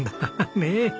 ねえ。